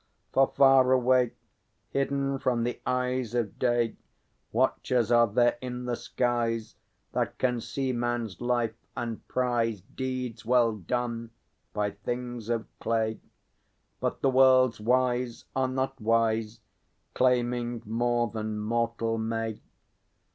For, far away, Hidden from the eyes of day, Watchers are there in the skies, That can see man's life, and prize Deeds well done by things of clay. But the world's Wise are not wise, Claiming more than mortal may.